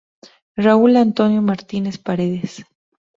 Raúl Antonio Martinez Paredes.